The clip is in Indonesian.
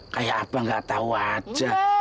kayak apa gak tau aja